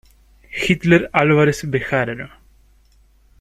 Hitler Álvarez Bejarano.